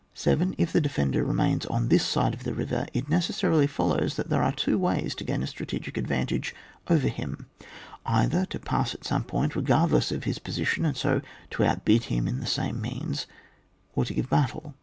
7. If the defender remains on this side of the river, it necessarily follows that there are two ways to gain a strategic advantage over him: either to pass at some point, regardless of his position, and so to outbid him in the same means, or to give battle.